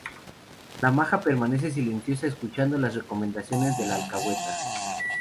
La maja permanece silenciosa escuchando las recomendaciones de la alcahueta.